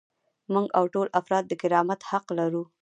موږ او ټول افراد د کرامت حق لرو.